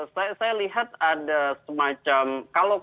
saya lihat ada semacamnya